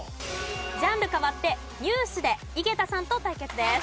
ジャンル変わってニュースで井桁さんと対決です。